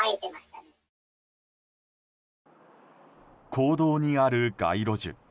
公道にある街路樹。